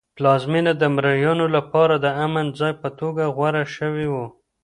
پلازمېنه د مریانو لپاره د امن ځای په توګه غوره شوی و.